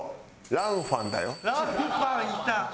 ランファンいた。